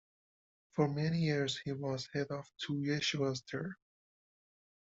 For many years, he was head of two yeshivas there.